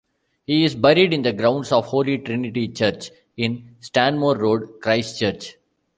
He is buried in the grounds of Holy Trinity Church in Stanmore Road, Christchurch.